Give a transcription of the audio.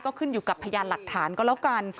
ก็ขึ้นอยู่กับพยานหลักฐานก็แล้วกัน